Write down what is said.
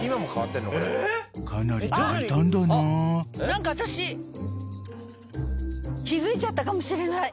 何か私気付いちゃったかもしれない。